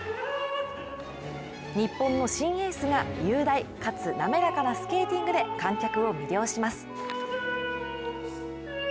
日本の新エースが雄大かつ滑らかなスケーティングで観客を魅了します。